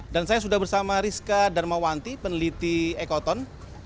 dan saya sudah bersama rizka darmawanti peneliti ekoton